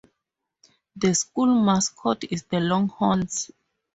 The school mascot is the Longhorns.